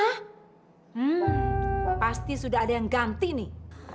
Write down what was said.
hmm pasti sudah ada yang ganti nih